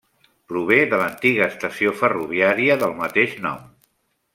Prové de l'antiga estació ferroviària del mateix nom.